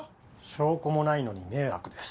証拠もないのに迷惑です。